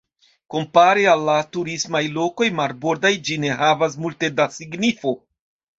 Kompare al la turismaj lokoj marbordaj ĝi ne havas multe da signifo.